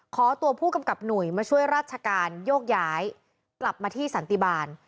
ขอตัวผู้กำกับหนุ่ยมาช่วยราชการโยกย้ายกลับมาที่สันติบาล